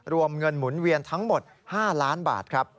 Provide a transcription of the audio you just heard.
รวมเงินหมุนเวียนทั้งหมด๕ล้านบาทครับ